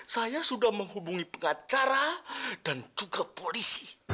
saya sudah menghubungi pengacara dan juga polisi